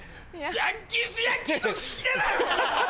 ヤンキースヤンキーのヒデだよ！